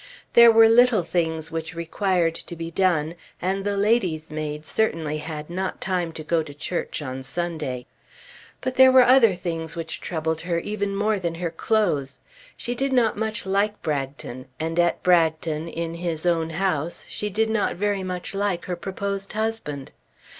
There were little things which required to be done, and the lady's maid certainly had not time to go to church on Sunday. But there were other things which troubled her even more than her clothes. She did not much like Bragton, and at Bragton, in his own house, she did not very much like her proposed husband.